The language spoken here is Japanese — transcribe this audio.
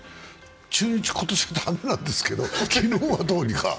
中日、今年、駄目なんですけど昨日はどうにか。